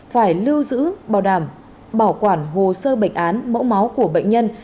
phải lưu giữ bảo đảm bảo quản hồ sơ bệnh án mẫu máu của bệnh nhân